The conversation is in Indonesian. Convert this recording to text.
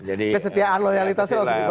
ah kesetiaan loyalitasnya langsung dibayar